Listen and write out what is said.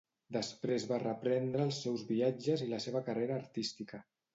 Després va reprendre els seus viatges i la seva carrera artística.